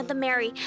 aku mau pergi